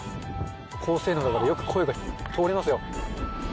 高性能だからよく声が通りますよ。